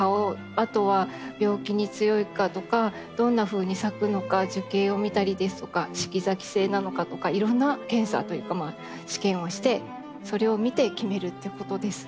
あとは病気に強いかとかどんなふうに咲くのか樹形を見たりですとか四季咲き性なのかとかいろんな検査というか試験をしてそれを見て決めるっていうことです。